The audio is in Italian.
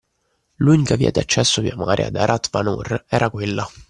L’unica via d’accesso via mare ad Arat Vanur era quella